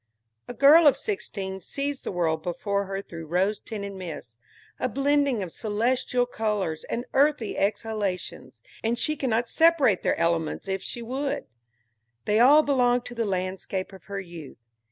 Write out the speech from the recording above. A girl of sixteen sees the world before her through rose tinted mists, a blending of celestial colors and earthly exhalations, and she cannot separate their elements, if she would; they all belong to the landscape of her youth.